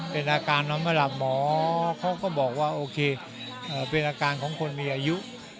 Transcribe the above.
เป็นอาการนอนไม่หลับหมอเขาก็บอกว่าโอเคเป็นอาการของคนมีอายุ